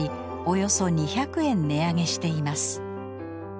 およそ２００円値上げしています。